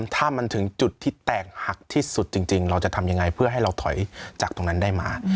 ถ้ามันถึงจุดที่แตกหักที่สุดจริงเราจะทำยังไงเพื่อให้เราถอยจากตรงนั้นได้มา